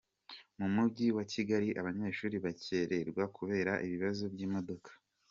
Mumujyi wakigali Abanyeshuri bakererwa kubera ibibazo by’imodoka